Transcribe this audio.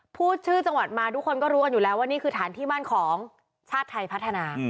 พูดชื่อจังหวัดมาทุกคนก็รู้กันอยู่แล้วว่านี่คือฐานที่มั่นของชาติไทยพัฒนา